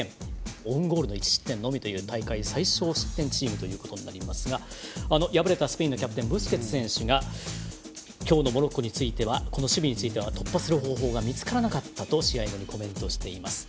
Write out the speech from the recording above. オウンゴールの１失点のみという大会最少失点チームということになりますが敗れたスペインのキャプテンブスケツ選手が今日のモロッコについてはこの守備については突破する方法が見つからなかったと試合後にコメントしています。